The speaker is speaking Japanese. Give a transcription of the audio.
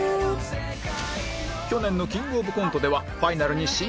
去年のキングオブコントではファイナルに進出するなど